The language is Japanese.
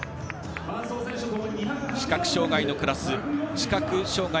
視覚障がいのクラス障がい